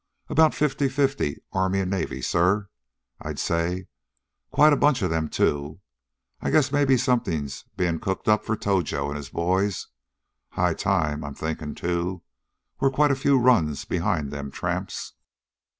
"About fifty fifty Army and Navy, sir, I'd say. Quite a bunch of them, too. I guess maybe something's being cooked up for Tojo and his boys. High time, I'm thinking, too. We're quite a few runs behind them tramps."